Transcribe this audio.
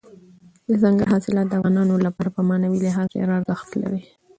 دځنګل حاصلات د افغانانو لپاره په معنوي لحاظ ډېر ارزښت لري.